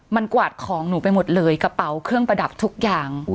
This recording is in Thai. มันกวาดของหนูไปหมดเลยกระเป๋าเครื่องประดับทุกอย่าง